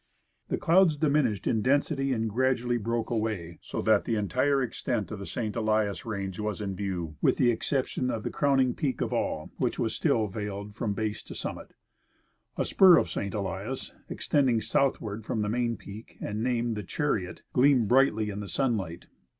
The clouds diminished in density and gradually broke away, so that the entire extent of the St. Elias range was in view, with the exception of the croAvning peak of all, Avhich Avas still veiled from base to summit. A spur of St. Elias, extending soutliAvard from the main peak, and named The Chariot, gleamed brightly in the sunlight.